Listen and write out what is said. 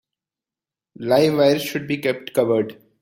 Live wires should be kept covered.